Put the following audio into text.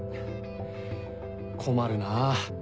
困るなぁ。